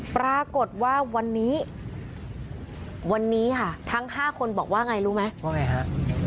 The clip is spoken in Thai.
ปรากฏว่าวันนี้วันนี้ค่ะทั้ง๕คนบอกว่าไงรู้ไหมว่าไงฮะ